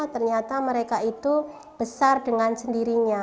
ternyata mereka itu besar dengan sendirinya